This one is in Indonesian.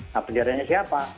nah benderanya siapa